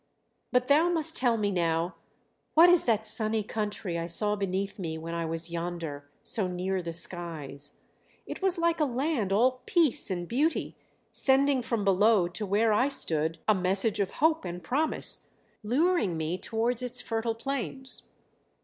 "But thou must tell me now what is that sunny country I saw beneath me when I was yonder, so near the skies? It was like a land all peace and beauty, sending from below to where I stood a message of hope and promise, luring me towards its fertile plains."